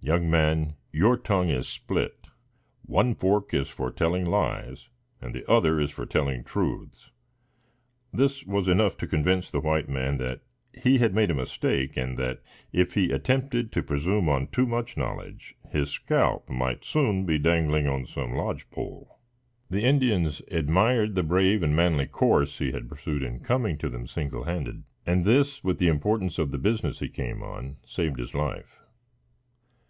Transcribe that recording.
Young man, your tongue is split: one fork is for telling lies, and the other is for telling truths." This was enough to convince the white man that he had made a mistake, and, that if he had attempted to presume on too much knowledge, his scalp might soon be dangling on some lodge pole. The Indians admired the brave and manly course he had pursued in coming to them single handed, and this, with the importance of the business he came on, saved his life.